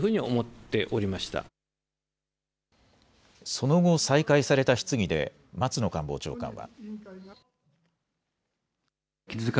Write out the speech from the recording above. その後、再開された質疑で松野官房長官は。